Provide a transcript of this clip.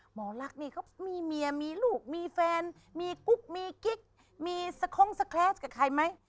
หมอลักษณ์นี่เขามีเมียมีลูกมีแฟนมีกุ๊กมีกิ๊กมีสคงสแคลสกับใครไหม